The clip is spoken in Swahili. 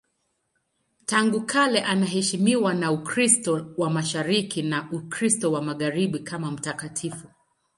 Tangu kale anaheshimiwa na Ukristo wa Mashariki na Ukristo wa Magharibi kama mtakatifu.